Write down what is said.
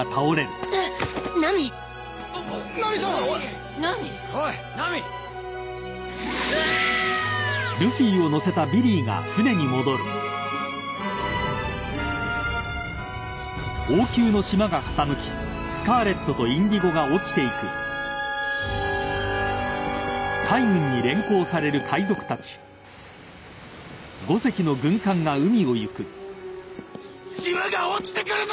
島が落ちてくるぞーっ！